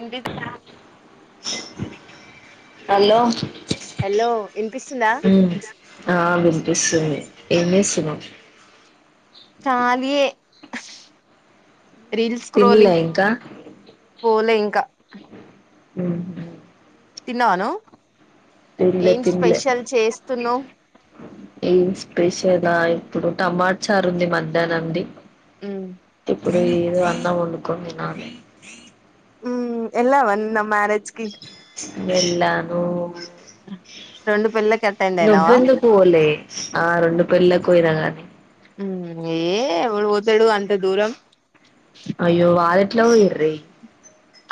ఏంటి hello hello వినిపిస్తుందా ఎం విస్తున్నావ్ చాలీయే తిన్లే ఇంకా పోలే ఇంకా ఊహూ తిన్నావనువ్ తిన్లే తిన్లే. ఏం స్పెషల్ ఆహ్ ఇప్పుడు టమాట్ చ్చారు ఉంది మధ్యాహ్నంది. ఊ లేదు అన్నం వొండుకోని తినాలే. ఎలా నీన్న మ్యారేజ్కి వేల్లాను రెండు పెళ్ళిళ్ళకి అటెండ్ అయినావా నువ్వువెందుకువోలె ఆ రెండు పెళ్ళలకు పోయినా గానీ ఏ ఎవడు పోతాడు అంత దూరం అయ్యో వాలెట్లో పోయిరీ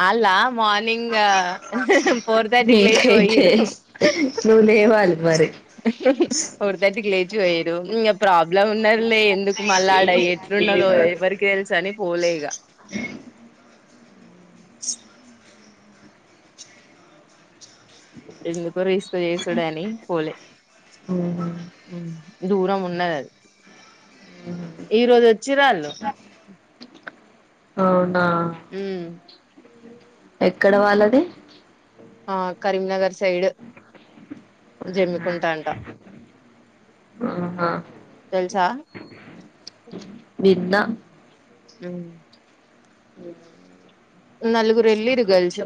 ఆల్లా మార్నింగా ఫోర్ థర్టీకి లేచి నీకైతే పోయిరు. నువ్వు లేవాలి మరి ఫోర్ థర్టీకి లేచ్ [unintelligible] ఇంగ ప్రాబ్ ఎబ్లా ఉన్నరులే. ఎందుకు మళ్ళా ఆడ ఎట్లున్నదో ఎవరికి తెలుసని పోలే ఇగా. ఆ ఎందుకు రీస్క చేసుడనీ పోలే. హూ ఉమ్, దూరం ఉన్నది అది ఈ రోజు వచ్చిర్రాళ్ళు. అవున్ ఆ ఎక్కడ వాళ్ళది. ఆ కరీంనగర్. సైడ్ ఆహా జమ్మికుంట అంట ఆహా తెలుసా విన్నా. ఊ అఓ నలుగురు ఎల్లిర్రు గార్ల్స.